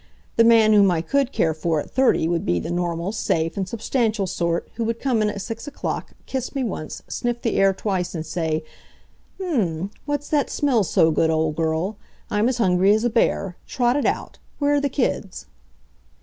The man whom I could care for at thirty would be the normal, safe and substantial sort who would come in at six o'clock, kiss me once, sniff the air twice and say: "Mm! What's that smells so good, old girl? I'm as hungry as a bear. Trot it out. Where are the kids?"